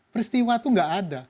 peristiwa itu nggak ada